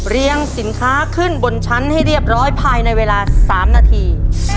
สินค้าขึ้นบนชั้นให้เรียบร้อยภายในเวลา๓นาที